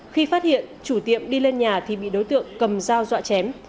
khi phát hiện chủ tiệm đi lên nhà thì bị đối tượng cầm dao dọa chém